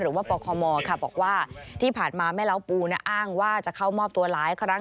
ปคมบอกว่าที่ผ่านมาแม่เล้าปูอ้างว่าจะเข้ามอบตัวหลายครั้ง